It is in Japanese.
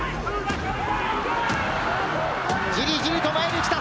じりじりと前に来た。